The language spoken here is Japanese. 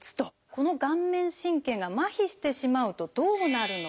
この顔面神経が麻痺してしまうとどうなるのか。